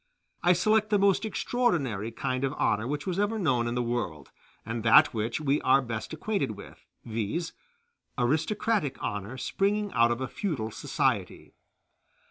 I select the most extraordinary kind of honor which was ever known in the world, and that which we are best acquainted with, viz., aristocratic honor springing out of feudal society.